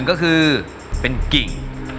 ๑ก็คือกริ่ง